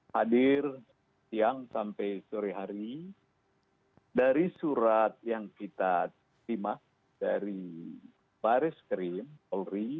hadir siang sampai sore hari dari surat yang kita terima dari baris krim polri